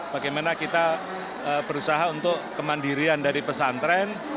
bagaimana kita berusaha untuk kemandirian dari pesantren